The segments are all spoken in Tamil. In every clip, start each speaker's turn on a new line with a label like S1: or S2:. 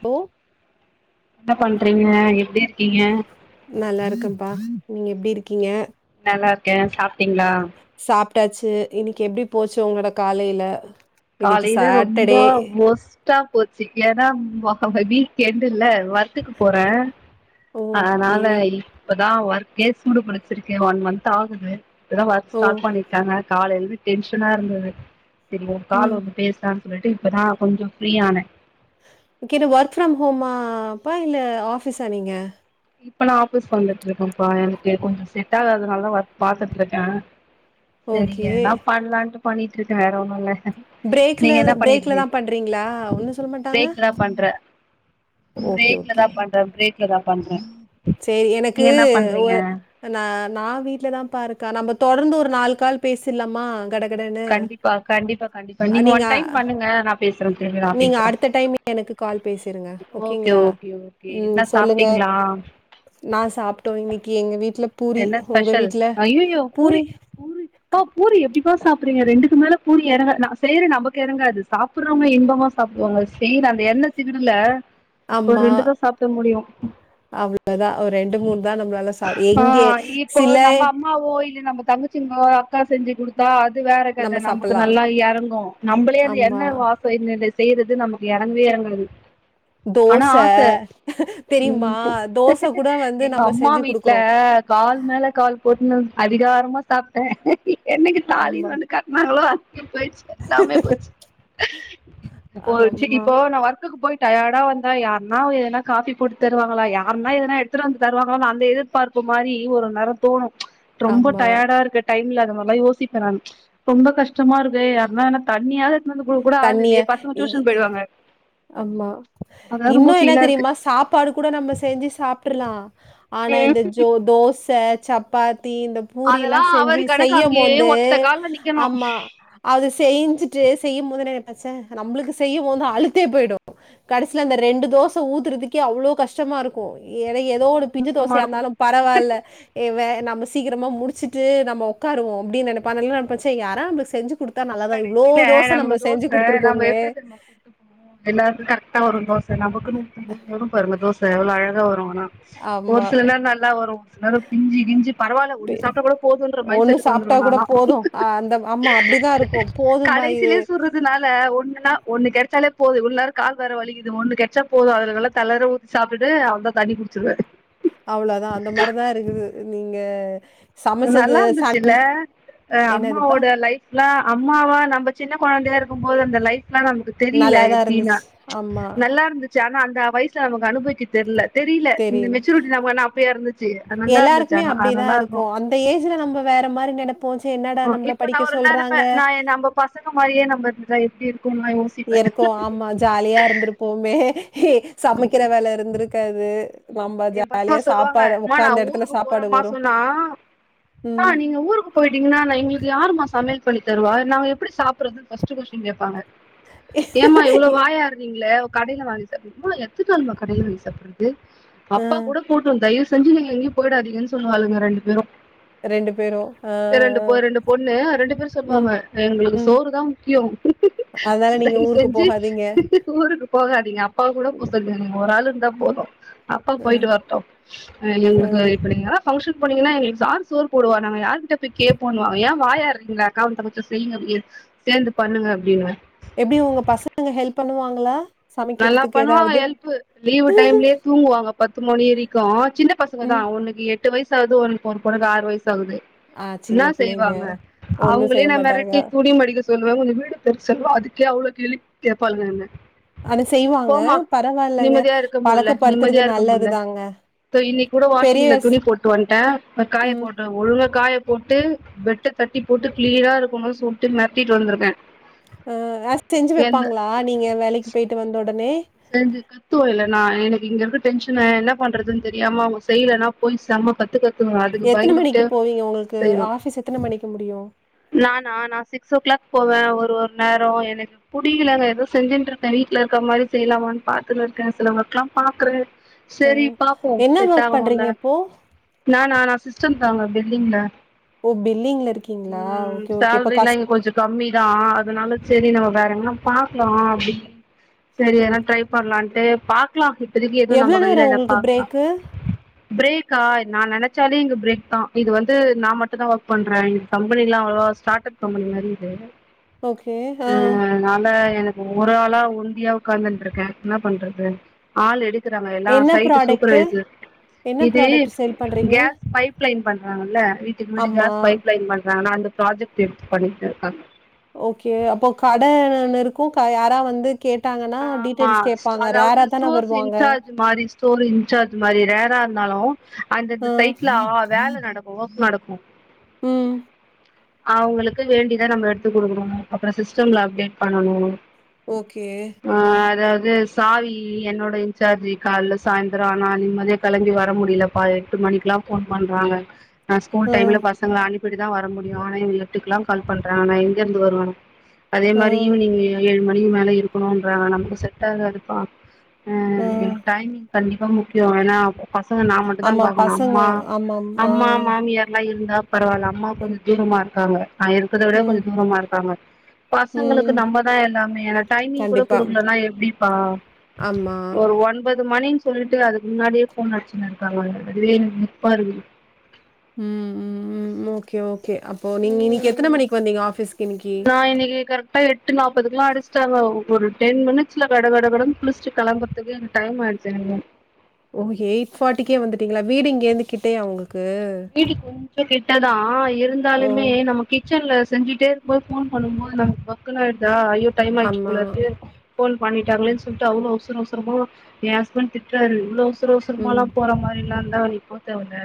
S1: போ
S2: என்ன பண்றீங்க எப்டி இரு க்கீங்க
S1: நல்லா இருக்கேப்பா நீங்க எப்டி இருக்கீங்க
S2: நல்லா இருக்கே சாப்ட்டீங்ளா
S1: சாப்ட்டாச்சு இன்னைக்கு எப்டி போச்சு உங்களோட காலைல
S2: காலைல ரொம்ப வொஸ் ட்டா போச்சி ஏன்னா வீக் எண்டுல்ல த்துக்கு போறே
S1: ஓகே
S2: அதனால இப்பதா ஒர்க்கே சூடு புடிச்சிருக்கே ஒன் மந்த் ஆகுது இப்பதா ஒர்க்
S1: ஓ
S2: ஸ்டார்ட் பண்ணிருக்காங்க காலையில இருந்து டென்ஷனா இருந்தது சரி உ
S1: ம்
S2: கால் வந்து பேஸ் லான்னு சொல்ட்டு இப்போ தா கொஞ்சோ ஃப்ரீயானே
S1: கிது ஒர்க் ஃப்ரம் ஹோமாப்பா இல்ல ஆஃபீஸா நீங்க
S2: இப்ப நா ஆஃபீஸ் வந்துட்டு இருக்கேன்ப்பா எனக்கு கொஞ்ச செட் ஆகாதுனால தா ஒர்க் பாத்துட்டு இருக்கே செரி
S1: ஓகே
S2: எதனா பண்ணலான்ட்டு பண்ணிட்டு இருக்கே வேற ஒண்ணு இல்ல
S1: பிரேக்ல
S2: நீங்க என்ன
S1: பிரேக்ல தா
S2: பண்ணிட்ருக்
S1: பண்றீங்களா ஒன்னு சொல்ல மாட்டாங்க
S2: பிரேக்ல்லா பண்றே
S1: ஓகே
S2: பிரேக்ல தா பண்றே பிரேக்ல தா பண்றே
S1: செரி எனக்கு
S2: நீங்க என்ன
S1: ஒ
S2: பண்றீங்க
S1: ந நா வீட்ல தாம்பா இருக்கே நம்ப தொடர்ந்து ஒரு நாலு கால் பேசிர்லாமா
S2: கண்டிப்பா கண்டிப்பா கண்டிப்பா நீங்க ஒன் டைம் பண்ணுங்க நா பேசுறே தெளிவா
S1: நீங்க
S2: பேசுறே
S1: அடுத்த டைம் எனக்கு கால் பேசிருங்க
S2: ஓகே
S1: ஓகேங்ளா
S2: ஓகே ஓகே
S1: ம்
S2: என்ன
S1: சொல்லுங்க
S2: சாப்ட்டீங்களா
S1: நா சாப்ட்டோ இன்னிக்கு எங்க வீட்ல பூரி
S2: என்ன
S1: உங்க
S2: ஸ்பெஷல்
S1: வீட்ல பூரி க
S2: அப்ப பூரி எப்டிப்பா சாப்பிறீங்க ரெண்டுக்கு மேல பூரி இறங்காது ந செய்ற நமக்கு இறங்காது சாப் புறவங்க இன்பமா சாப்பிடுவாங்க செய்ற அந்த எண்ணெ சிகுடுல ஒரு
S1: ஆமா.
S2: ரெண்டு தா சாப்ட முடியு
S1: இவ்ளோதா ஒரு ரெண்டு மூணு தா நம்மளால சாப்பிட
S2: ஆ
S1: எங்கே
S2: இப்போ
S1: சில
S2: நம்ம அம்மாவோ இல்ல நம்ம தங்கச்சிங்கோ அக்கா செஞ்சி குடுத் தா அது வேற
S1: நம்ம
S2: கத நமக்கு
S1: சாப்பிடலாம்.
S2: நல்லா எறங்கு நம்மளே அது
S1: ஆமா.
S2: என்ன வா இப்ப இன்ன இன்ன செய்றது நமக்கு எறங்கவே எறங்காது ஆனா
S1: தோச
S2: ஆச
S1: தெரியுமா
S2: ம் பு
S1: தோச கூட வந்து
S2: எங்க
S1: நம்ம
S2: அம்மா
S1: செஞ்சி
S2: வீட்ல
S1: குடுக்குறோ
S2: கால் மேல கால் போட்டுன்னு அதிகாரமா சாப்ட்டே என்னைக்கு
S1: ஆமா.
S2: தாலினு ஒன்னு கட்டனாங்களோ அன்னிக்கே போயிடுச்சி எல்லாமே போச்சி போயிச்சு
S1: ஆமா,
S2: இப்போ நா ஒர்க்குக்கு போயி டையாடா வந்தா யாருன்னா எதனா காஃபி போட்டு தருவாங்களா யாருன்னா எதனா எடுத்துட்டு வந்து தருவாங்களா அந்த இது பார்ப்பு மாரி ஒரு நேரோ தோணு ரொம்ப
S1: ஆமா.
S2: டயர்டா இருக்கு டைம்ல அந்த மாரில்லா யோசிப்ப நானு ரொம்ப கஷ்டமா இருக்கு யாருனா எதனா தண்ணியாது எடுத்துனு வந்து குடுக்க கூட ஆள்
S1: தண்ணிய
S2: இல்லையே பசங்க டியூஷன்
S1: இ
S2: போயிடுவாங்க
S1: ஆமா
S2: அதா ரொம்ப
S1: இன்னு என்ன
S2: ஃபீலா இருக்கு
S1: தெரியுமா சாப்பாடு கூட நம்ம செஞ்சி சாப்ட்ருலா ஆனா
S2: ம்
S1: இந்த ஜோ தோச சப்பாத்தி இந்த பூரி எல்லா
S2: அதெல்லா அவரு
S1: செஞ்சி
S2: கணக்கு அங்கேயே
S1: செய்யும்போது
S2: ஒத்த கால்ல நிக்கணு
S1: ஆமா அது செஞ்சிட்டு செய்யு போது என்ன நெனப்ப நம்புளுக்கு செய்யும்போது அலு த்தே போயிடு கடைசில அந்த ரெண்டு தோச ஊத்துறதுக்கே அவளோ கஷ்டமா இருக்கு என்ன
S2: ரொம்ப
S1: ஏதோ ஒன்னு
S2: ரொம்ப
S1: பிஞ்ச
S2: கஷ்டமா
S1: தோசையா
S2: இருக்கு
S1: இருந்தாலு பரவாயில்ல எ வே நம்ம சீக்கிரமா முடிச்சுட்டு நம்ம உக்காருவோ அப்படின்னு நெனைப்ப அதல்லா நெனைப்ப யாரா நம்பளுக்கு செஞ்சு குடுத் தா நல்லாதா இவ்ளோ
S2: கடைசில
S1: தோச
S2: நமக்கு
S1: நம்ம
S2: தோச
S1: செஞ்சி
S2: நம்ம
S1: குடுத்துருக்கோமே
S2: எப்டி தெரியுமா சுட்டு எல்லாருக்கு கரெக்டா வரு தோச நமக்குனு ஊத்தும் போது வரும் பாருங்க தோச எவ்ளோ அழகா வரு ஆனா ஒரு
S1: ஆமா
S2: சில நேர நல்லா வரு சில நேர பிஞ்சி கிஞ்சி பரவால்ல ஒன்னு சாப்ட்டா கூட போதுன்ற மைண்ட்
S1: ஒண்ணு
S2: செட்டுக்கு
S1: சாப்ட்டா
S2: வந்துடுவ
S1: கூட
S2: நான்லா
S1: போது அ அந்த ஆமா அப்டிதா இருக்கு போதுமா இது
S2: இதுனால ஒன்னுனா ஒன்னு கெடைச்சாலே போது இவ்ளோ நேர கால் வேற வலிக்கிது ஒன்னு கெடைச்சா போது அதுல நல்லா தளர சாப்ட்டுட்டு அவ்ளோதா தண்ணி குடிச்சிடுவே
S1: அவ்ளோதா அந்த மாரிதா இருக்குது நீங்க சமைச்சது
S2: நல்லா
S1: ச
S2: இருந்துச்சில அ
S1: என்னதுப்பா
S2: அம்மாவோட லைஃப் லா அம்மாவா நம்ப சின்ன கொழந்தையா இருக்கும்போது அந்த லைஃப் எல்லா நமக்கு தெரியல
S1: நல்லாதா
S2: எப்டின்னா
S1: இருந்துச்சு ஆமா
S2: நல்லா இருந்துச்சி ஆனா அந்த வயசுல நமக்கு அனுபவிக்க தெர்ல தெரியல இந்த
S1: தெரில
S2: மெச்சூரிட்டி நமக்கு என்னா அப்பயா இருந்துச்சி நல்லா இருந்துச்சி
S1: எல்லாருக்குமே
S2: ஆனா அது
S1: அப்டிதா
S2: நல்லா
S1: இருக்கு
S2: இருக்கோ
S1: அந்த ஏஜ்ல நம்ப வேற மாரி நெனைப்போ என்னடா
S2: ம்.
S1: நம்பள
S2: இப்ப
S1: படிக்க
S2: நான் ஒரு
S1: சொல்றாங்க
S2: நெனப்பேன். நான் நம்ப பசங்க மாரியே நம்ம இருந்துட்டா எப்டி இருக்குன்னா யோசி
S1: இருக்கு ஆமா ஜாலியா இருந்திருப்போமே சமைக்கிற வேல இருந்திருக்காது நம்ம
S2: எ பசங்க
S1: ஜாலியா
S2: சொல்லுவாங்க
S1: சாப்பாடு
S2: அம்மா நா
S1: உக்காந்த எடத்துல
S2: ஊருக்கு
S1: சாப்பாடு
S2: போறேம்மா
S1: வரு
S2: சொன்னா அம்மா
S1: ம்
S2: நீங்க ஊருக்கு போயிட்டீங்கனா எங்களுக்கு யாரும்மா சமையல் பண்ணு தருவா நாங்க எப்டி சாப்புட்றதுதா ஃபாஸ்ட் கொஸ்டின் கேப்பாங்க ஏம்மா இவ்வளோ
S1: இ-
S2: வாய் ஆட்றீங்களே கடைல வாங்கி சாப்பிடு எவ்ளோ எத்தனநாள் மா கடையில வாங்கி சாப்புட்றது
S1: ஆ
S2: அப்பா கூட போட்டு தயவு செஞ்சு நீங்க எங்கையு போயிடாதிங்கன்னு சொல்லுவாளுங்க ரெண்டு பேரும்
S1: ரெண்டு பேரு, ம்
S2: எ ரெண்டு
S1: ஆ
S2: ரெண்டு பொண்ணு ரெண்டு பேரும் சொல்லுவாங்க எங்களுக்கு
S1: ம்.
S2: சோறுதா முக்கியோ
S1: அதனால நீங்க
S2: தயவு
S1: ஊருக்கு
S2: செஞ்சு
S1: போகாதீங்க.
S2: ஊருக்கு போகாதீங்க அப்பாவ கூட போ சொல்லுங்க நீங்க ஒரு ஆள் இருந்தா போது அப்பா
S1: அ,
S2: போயிட்டு வரட்டு வேற
S1: அ.
S2: நீங்க இப்படியா ஃபங்க்ஷன் போனீங்கன்னா எங்களுக்கு யார் சோறு போடுவா நாங்க யாரு கிட்ட போய் கேப்போன்னுவாங்க ஏ வாயாடுறீங்களே அக்காவு தங்கச்சியு செய்ங்கடி சேந்து பண்ணுங்க அப்டின்னுவ
S1: எப்படி உங்க பசங்கங்க ஹெல்ப் பண்ணுவாங்களா
S2: நல்லா
S1: சமைக்கிறதுக்கு
S2: பண்ணுவாங்க
S1: ஏதாவது?
S2: ஹெல்ப்பு லீவு டைம்லேயே தூங்குவாங்க பத்து மணி வரைக்கு சின்ன பசங்கதா
S1: ம்.
S2: ஒன்னுக்கு எட் டு வயசு ஆகுது ஒன்னு ஒரு பொண்ணுக்கு ஆறு வயசு ஆகுது
S1: ஆ சின்ன
S2: என்னா
S1: பிள்ளைங்க.
S2: செய்வாங்க
S1: ஒண்ணும்
S2: அவங்களே
S1: செய்ய
S2: நா
S1: மாட்டாங்க.
S2: மெரட்டி துணி மடிக்க சொல்லுவ கொஞ்சோ வீடு பெருக்க செல்லுவ அதுக்கே அவ்ளோ கேள்வி கேப்பாளுங்க என்ன
S1: அத செய்வாங்க
S2: போமா
S1: பரவாயில்லங்க
S2: நிம்மதியா இருக்க முல்ல
S1: பழக்கப்படுத்துறது
S2: நிம்மதியா இருக்க முல்ல
S1: நல்லதுதாங்க
S2: தோ இன்னைக் கூட
S1: பெரிய
S2: வாஷிங்ல
S1: ஸ்
S2: துணி போட்டு வந்ட்டே காய
S1: ம்.
S2: போட நா ஒழுங்கா காய போட்டு பெட்ட தட்டி போட்டு கிளீனா இருக்கணுன்னு சொல்லிட்டு மெரட்டிட்டு வந்துருக்க
S1: ஆ ஆஸ் செஞ்சு வப்பாங்களா நீங்க வேலைக்கு போயிட்டு வந்த ஒடனே
S2: சேந்துருக்க த்துவ இல்ல நா எனக்கு இங்க இருக்க டென்ஷன என்ன பண்றதுன்னு தெரியாம அவுங்க செய்யலன்னா போய் செம கத்து கத்
S1: எத்தன மணிக்கு போவீங்க உங்களுக்கு ஆஃபீஸ் எத்தன மணிக்கு முடியு
S2: நானா நா சிக்ஸ் ஓ கிளாக் போவ ஒரு ஒரு நேர எனக்கு புடிக்கலங்க ஏதோ செஞ்சுட்டு இருக்க வீட்ல இருக்க மாரி செய்யலாமான்னு பாத்துன்னு இருக்க சிலவங்களுகெல்லா பாக்குற
S1: அ.
S2: செரி பாப்போ
S1: என்ன
S2: செட்
S1: வொர்க் பண்றீங்க
S2: ஆகணோம்ல
S1: இப்போ?
S2: நா நா நா சிஸ்டம் தாங்க பில்லிங்ல
S1: ஓ பில்லிங்ல இருக்கீங்களா ஓகே ஓகே இப்ப கஷ்
S2: கம்மிதா அதனால செரி நம்ம வேற எங்கன பாக்கலா அப்டின்னு சேரி
S1: ஓ
S2: எதனா ட்ரை பண்ணலான்ட்டு பாக்கலா இப்பதிக்கு எதுவு
S1: எவ்வளோ
S2: நம்ம கையில
S1: நேரம்
S2: இல்ல
S1: உங்களுக்கு
S2: பாக்கலா
S1: பிரேக்கு?
S2: பிரேக்கா நா நெனச்சாலே இங்க பிரேக் தா இது வந்து நா மட்டும் தா ஒர்க் பண்ற இது கம்பெனிலா அவ்ளவா ஸ்டார்ட்டப் கம்பெனி மாரி இது
S1: ஓகே. ஆ.
S2: ம் அதனால எனக் ஒரு ஆளா ஒண்டியா உக்காந்துண்டு இருக்கே என்ன பண்றது ஆள் எடுக் கறவங்க எல்லா
S1: என்ன
S2: சைட்டு
S1: ப்ராடக்ட்டு?
S2: சூப்பர்வைசர்
S1: என்ன
S2: இது
S1: product sir
S2: gas pipeline பண்றாங்கல்ல வீட்டுக்கு வீடு
S1: அம்மா.
S2: கேஸ் பைப் லைன் பண்றாங்கல்ல அந்த ப்ராஜெக்ட் எடுத்து பண்ணிட்டு இருக்க
S1: ஓகே அப்போ கடன்னு ஒன்னு இருக்கு க யாராது வந்து கேட்டாங்கன்னா,
S2: ஆ ஆமா
S1: டீட்டெயில்ஸ் கேட்பாங்க.
S2: அதாவது
S1: ரேரா தான
S2: ஸ்டோர்ஸ்
S1: வருவாங்க.
S2: இன்சார்ஜ் மாரி ஸ்டோரேஜ் இன்சார்ஜ் மாரி ரேரா இருந்தாலு
S1: ஆ.
S2: அந்தந்த சைட்ல ஆ வேல நடக்கும் ஒர்க் நடக்கு
S1: ம்
S2: அவுங்களுக்கு வேண்டித நம்ம எடுத்துக் கொடுக்கணும் அப்புறம் சிஸ்டம்ல அப்டேட் பண்ணணு
S1: ஓகே
S2: ஆ அதாவது சாவி என்னோட இன்சார்ஜி கால்ல சாயந்தர ஆனா நிம்மதியா கெளம்பி வர முடியலப்பா எட்டு மணிக்குல்லா ஃபோன் பண்றாங்க நா ஸ்கூல்
S1: ஆ,
S2: டைம்ல பசங்கள அனுப் இப்படி தா வர முடியு ஆனா எட்டுக்கெல்லா கால் பண்றங்கா எங்கேருந்து வருவ அதே
S1: ஆ,
S2: மாரி ஈவினிங்கு ஏழு ணு மணிக்கு மேல இருக்கணுன்றாங்க நமக்கு செட் ஆகாதுப்பா ஆ டைமிங் கண்டிப்பா முக்கியம் ஆனா பசங்க நா மட்டுந்தா
S1: ஆமா,
S2: பாக்கணு
S1: பசங்க.
S2: அம்மா
S1: ஆமாம். ஆ.
S2: அம்மா மாமியார்லா இருந்தா பரவால்ல அம்மா கொஞ்ச தூரமா இருக்காங்க நா இருக்கிறத விட
S1: ம்,
S2: கொஞ்ச தூரமா இருக்காங்க பசங்களுக்கு
S1: ம்.
S2: நம்ம தா எல்லாமே எனக் டைமிங் கூட
S1: கண்டிப்பா.
S2: கொடுக்கலனா எப்டிப்பா
S1: ஆமா.
S2: ஒரு ஒன்பது மணின்னு சொல்லிட்டு அதுக்கு முன்னாடியே ஃபோன் அடிச்சுன்னு இருக்காங்க அங்க அதுவே எனக்கு நிற்பா இருக்கு
S1: ம் ம் ம் ஓகே ஓகே அப்போ நீங்க இன்னிக்கு எத்தன மணிக்கு வந்தீங்க ஆஃபீஸ்க்கு இன்னிக்கு
S2: நா இன்னக்கி கரெக் ட்டா எட்டு நாப்பதுக்குலா அடிச்சுட்டாங்க ஒரு டென் மினிட்ஸ்ல கட கடனு குளிச்சுட்டு கெளம்புறதுக்கு எனக் டைம் ஆகி தெனமும்
S1: ஓகே எயிட் ஃபார்ட்டிக்கே வந்துட்டீங்களா வீடு இங்கேருந்து கிட்டயா உங்களுக்கு
S2: வீடு கொஞ்ச கிட்டதா
S1: ஓ
S2: இருந்தாலுமே நம்ம கிச்சன்ல செஞ்சுட்டே இருக்கும்போது ஃபோன் பண்ணும்போது நமக்கு பக்குன்ன ஆயிடுதா ஐயோ டைம் ஆச்சு
S1: ஆமா
S2: போல இருக்கு போன் பண்ணிட்டாங்களேன்னு சொல்ட்டு அவ்ளோ அவசர அவசரமா ஏ ஹஸ்பண்ட் திட்ராரு அவசர
S1: ம்
S2: அவசரமாலா போற மாரில்லாருந்தா நீ போத் தேவல்ல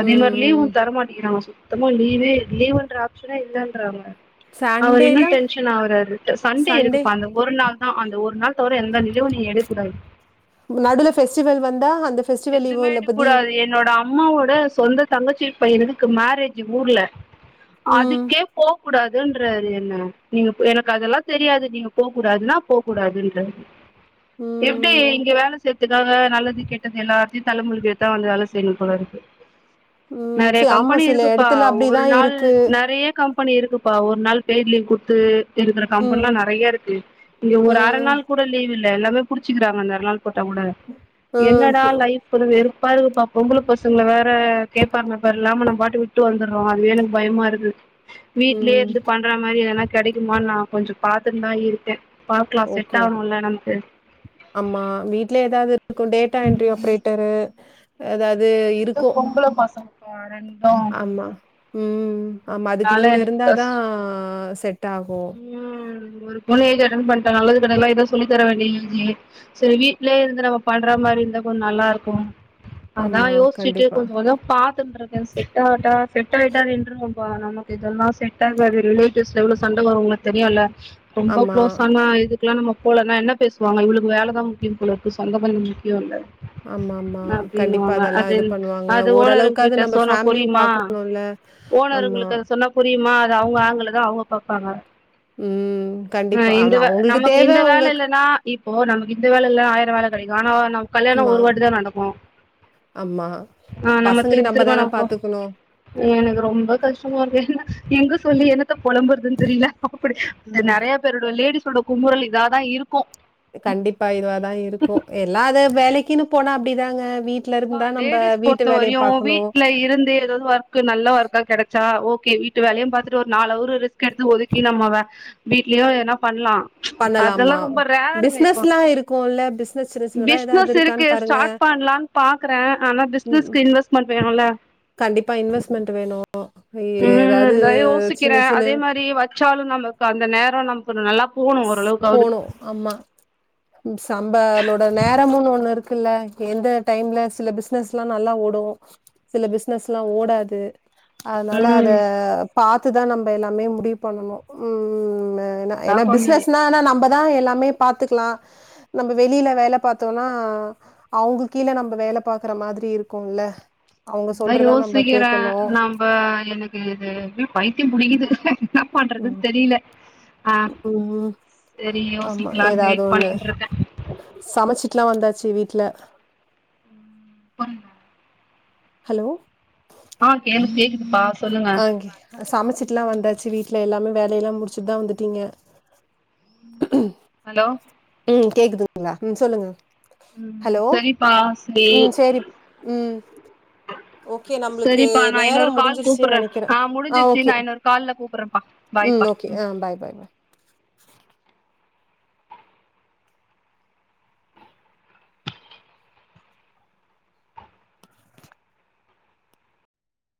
S2: அதே மாரி
S1: ம்
S2: லீவுந் தர மாட்டேங்கிறாங்க சுத்தமா லீவே லீவ்ன்ற ஆப்ஷனா இல்லன்றாங்க அவர் இன்னு
S1: சண்டேலாம்
S2: டென்ஷன் ஆவுறாரு சண்டே இருக்குப்ப அந்த ஒரு நாள் தா அந்த ஒரு தவிர எந்த லிவு நீ எடுக்க கூடாது
S1: நடுவுல பெஸ்டிவல் வந்தா ஃபெஸ்டிவல் லீவோ
S2: எதுமே
S1: இல்ல
S2: எடுக்க
S1: இப்ப தீ
S2: கூடாது என்னோட அம்மாவோட சொந்த தங்கச்சி பையனுக்கு மேரேஜ் ஊர்ல
S1: ம்
S2: அதுக்கே போ க் கூடாதுன்றாரு என்ன நீங்க எனக்கு அதெலா தெரியாது நீங்க போக கூடாதுன்னா போக கூடாதுன்றாரு எப்டி
S1: ம்
S2: இங்க வேல சேத்தக்காங்க நல்லது கே து எல்லாத்தயு தலமுழுகி தா வந்து வேல செய்யணு போலருக்கு
S1: ம்
S2: நெறய
S1: சரி ஆமா
S2: கம்பெனி
S1: சில
S2: இருக்குப்பா
S1: இடத்துல
S2: ஒரு
S1: அப்படிதான்
S2: நாள்
S1: இருக்கு
S2: நெறய கம் பனி இருக்குப்பா ஒரு நாள் பெய்டு லீவ் குடுத்து இருக்கிற
S1: ம்
S2: கம்பென்லா நெறயருக்கு இங்க ஒரு அர
S1: ம்
S2: நாள் கூ ஒரு லீவ் இல்ல எல்லாமே புடிச்சுக்கிறாங்க அர நாள் போட்டா கூட
S1: ம்
S2: என்னடா
S1: பு-
S2: லைஃப் கொஞ்சோ வெறுப்பா இருக்குப்பா பொம்பள பசங்க வேற கேட்பாருனப்பர் இல்லாம நம் பாட்டு வுட்டு வந்து ஆ அதுவே எனக்கு பயமாருக்கு
S1: ம்
S2: வீட்லேருந்து பண்ற மாரி எதுனா கெடைக்குமான்னு நா கொஞ்சோ பாத்துட்டுந்தா இருக்கே பாக்லா செட்
S1: ஓகே
S2: ஆகணுல எனக்கு
S1: ஆமா வீட்லே ஏதாது இருக்கு டேட்டா என்ட்ரி ஆப்ரேட்டரு எதாது இருக்கு
S2: லா பசங் ஆ ரெண்டா
S1: ஆமா ம் ஆமா அதுக்கு
S2: அதனால
S1: நீங்க
S2: எனக்கு
S1: இருந்தாதா
S2: கஷ்டோ
S1: செட் ஆகு
S2: ம் ஒரு புள்ள ஏஜ் அட்டன் பண்டா நல்லது கெட்டதுல்லா சொல்லி தர வேண்டியருக்கு சேரி வீட்லேருந்து நம்ம பண்ற மாரி இருந்தா கொஞ்சோ நல்லாருக்கு அதா
S1: ஆமா
S2: யோசிச்சுட்டு
S1: கண்டிப்பா
S2: கொஞ்சோ கொஞ்சோ பாத்துட்ருக்கே செட்டா ஆட்டா செட் ஆயிட்டா நமக்கு இதெலா செட் ஆகாது ரிலேட்டிவ்ஸ் எவ்ளோ சண்ட வரு உங்களுக்கு தெரியுல ரொம்ப
S1: ஆமா
S2: குளோஸ் ஆனா இது ல்லா நம்ம போலன்னா என்ன பேசுவாங்க இவுளுக்கு வேலதா முக்கியம் போல இருக்கு சொந்த பந்தம் முக்கியோ இல்ல
S1: ஆமா, ஆமா. கண்டிப்பா
S2: அப்டின்னுவாங்க
S1: அதெல்லாம்
S2: அது
S1: இது பண்ணுவாங்க.
S2: அது ஓனருங்க
S1: ஓரளவுக்காவது
S2: கிட்ட
S1: நம்ம
S2: சொன்னா
S1: ஃபேமிலியும்
S2: புரியுமா
S1: பாக்கணும்ல. ஆமா.
S2: ஓனர்ருங்களுக்கு அத சொன்னா புரியுமா அத அவுங்க ஆங்கிள்ல தா அவுங்க பாப்பாங்க
S1: ம்.
S2: ம்
S1: கண்டிப்பா.
S2: இந்த
S1: ஆனா
S2: வே
S1: அவங்களுக்கு
S2: நமக்கு
S1: தேவ
S2: இந்த வேல
S1: அவங்க
S2: இல்லனா இப்போ நமக்கு இந்த வேல இல்ல ஆயிரோ வேல கெடைக்கு ஆனா நம் கல்யாணோ
S1: ஆமா,
S2: ஒரு வாட்டி தா நடக்கு
S1: ஆமா.
S2: ஆ நம்ம
S1: பசங்களையும்
S2: திருப்பி திரும்ப
S1: தான
S2: நம்மப்ப
S1: பாத்துக்கணும்.
S2: எனக்கு ரொம்ப கஷ்டமாருக்கு ஏனா எங்க சொல்லி என்னத்த பொழம்பு அ தெரி தெரில அப்ப படி
S1: ம்.
S2: நெறய பேரோட லேடிஸோட கும்முறல் இதா தா இருக்கு
S1: கண்டிப்பா இதுவாதா இருக்கு எல்லா அது வேலைக்குன்னு போனா அப்டிதாங்க வீட்
S2: ப்பா லேடிஸ் பொறுத்த வரயு வீட்ல இருந்து ஏதாது வொர்க் கு நல்ல ஒர்க்கா கிடைச்சா ஓகே வீட்டு வேலையு பாத்துட்டு ஒரு நாளவர் ரிஸ்க் எடுத்து ஒதுக்கி நம்ப வே வீட்லயு எதுன்னா பண்லா அதெல்லா
S1: பண்ணலாமா?
S2: ரொம்ப ரேருங்க இப்போ
S1: பிசினஸ்லாம் இருக்கும்ல. பிசினஸ் சின்ன சின்னதா ஏதாவது
S2: பிஸ்னஸ்
S1: இருக்கான்னு
S2: இருக்கு
S1: பாருங்க.
S2: ஸ்டார்ட் பண்லா பாக்குற ஆனா
S1: ம். ம்.
S2: பிஸ்னஸ்க்கு இன்வெஸ்மென்ட் வேணுல்ல
S1: கண்டிப்பா இன்வெஸ்ட்மென்ட் வேணு ஏதாது சின்ன சின்ன
S2: தி வச்சாலு நம்ம அந்த நேரோ நமக்கு நல்லாப்
S1: போனு ஆமா சம் பலோட நேரம்ன்னு ஒண்ணு இருக்குல்ல எந்த டைம்ல சில பிஸ் பிஸ்னஸ் எல்லா நல்லா ஓடு சில பிஸ்னஸ்ல்லா ஓடாது அதனால அத
S2: ம்
S1: பாத்துதா நம்ம எல்லாமே முடிவு பண்ணணு ம் அ ஏனா
S2: அதா
S1: ஏன்னா
S2: கொஞ்சோ
S1: பிசினஸ்னா நம்மதா எல்லாமே பாத்துக்கலா நம்ம வெளியில வேலை பாத்தோம்னா அவுது கீழ நம்ம வேல பாக்குற மாதிரி இருக்குல
S2: அதா யோசிக்கிற நம் இப்ப எனக்கு பைத்தியம் புடிக்குது என்ன
S1: ம்
S2: பண்றதுன்னு தெரில ஆ
S1: ம்
S2: சேரி யோசிக்கலான் வெயிட் பண்ணிட்டு இருக்கே
S1: சமைச்சிட்டலா வந்தாச்சு வீட்ல
S2: அம்
S1: ஹலோ
S2: ஆ கேலு கேக்குதுப்பா சொல்லுங்க
S1: சமைச்சுட்டல்லா வந்தாச்சு வீட்டுல எல்லாமே வேலையெல்லா முடிச்சுட்டு தா வந்துட்டீங்க
S2: ஹலோ
S1: ம் கேக்குதுங்களா ம் சொல்லுங்க
S2: ம்
S1: ஹலோ
S2: சரிப்பா சரி
S1: ம் சேரி ம் ஓகே நம்மளுக்கு
S2: சரிப்பா நா
S1: நேரோ
S2: இன்னொரு கால்
S1: முடிஞ்சிருச்சுன்னு
S2: கூப்புட்றே
S1: நெனைக்கிற ஆ
S2: முடிஞ்சிருச்சு
S1: ஓகே
S2: நா இன்னொரு கால்ல கூப்புட்றேன்ப்பா
S1: ம்
S2: பாய்ப்பா
S1: ஓகே ஆ பாய் பாய் பாய் உம்